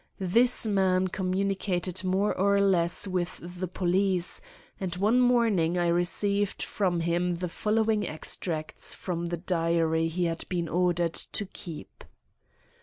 This man communicated more or less with the police, and one morning I received from him the following extracts from the diary he had been ordered to keep.